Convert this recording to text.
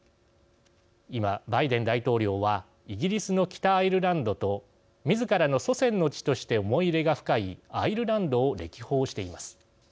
今、バイデン大統領はイギリスの北アイルランドとみずからの祖先の地として思い入れが深いアイルランドを歴訪しています。